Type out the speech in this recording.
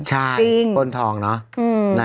ใช่ป้นทองเนอะ